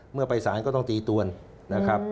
เมื่อไปสารก็ต้องตีตวนนะครับ